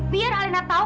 biar alena tau